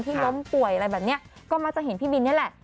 ล้มป่วยอะไรแบบนี้ก็มักจะเห็นพี่บินนี่แหละ